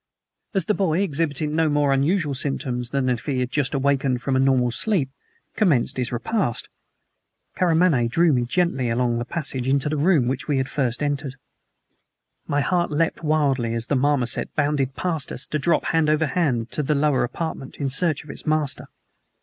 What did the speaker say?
As the boy, exhibiting no more unusual symptoms than if he had just awakened from a normal sleep, commenced his repast, Karamaneh drew me gently along the passage into the room which we had first entered. My heart leaped wildly as the marmoset bounded past us to drop hand over hand to the lower apartment in search of its master.